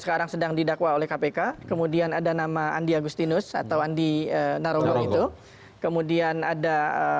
sekarang sedang didakwa oleh kpk kemudian ada nama andi agustinus atau andi narogong itu kemudian ada